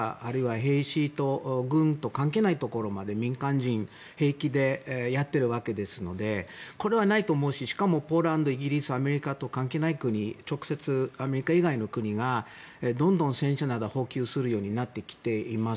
兵士や軍と関係ないところまで、民間人を平気でやっているわけですのでこれはないと思うし更に、ポーランド、イギリスアメリカと関係ない国直接、アメリカ以外の国がどんどん戦車などを補給するようになっています。